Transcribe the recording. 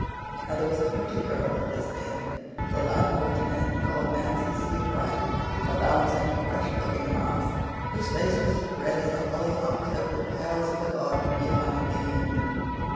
Now, there was a pretty girl at this inn, the landlord's men called Nancy Sievewright, a bouncing, fresh looking lass, whose face was as red as the hollyhocks over the pales of the garden behind the inn.